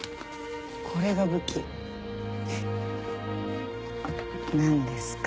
これが武器？なんですか？